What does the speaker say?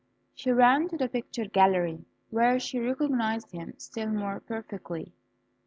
She ran to the picture gallery, where she recognised him still more perfectly.